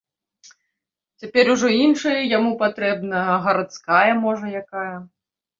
Цяпер ужо іншая яму патрэбна, гарадская, можа, якая.